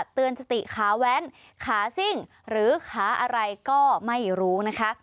เตือนสติขาแว้นขาซิ่งหรือขาอะไรก็ไม่รู้นะคะ